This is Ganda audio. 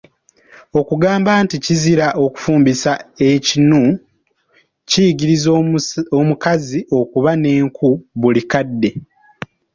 Okugamba nti kizira okufumbisa ekinu, kiyigiriza omukazi okuba n'enku buli kadde.